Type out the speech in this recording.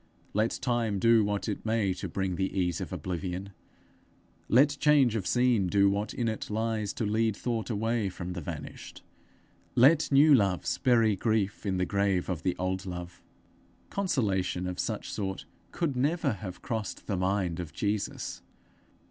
Let time do what it may to bring the ease of oblivion; let change of scene do what in it lies to lead thought away from the vanished; let new loves bury grief in the grave of the old love: consolation of such sort could never have crossed the mind of Jesus.